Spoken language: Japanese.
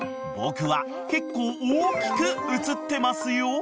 ［僕は結構大きく写ってますよ］